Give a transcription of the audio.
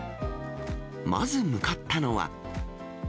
まず向かったのは。